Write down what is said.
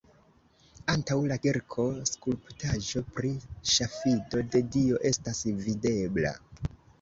Antaŭ la kirko skulptaĵo pri ŝafido de Dio estas videbla.